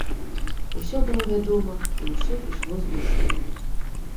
Усё было вядома і ўсё ішло з душы!